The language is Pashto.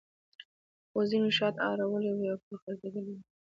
خو ځینو شاته اړولې وې او پرې ځړېدلې وې.